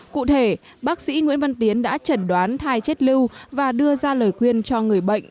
cụ thể bác sĩ nguyễn văn tiến đã chẩn đoán thai chết lưu và đưa ra lời khuyên cho người bệnh